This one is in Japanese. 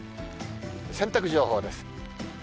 洗濯情報です。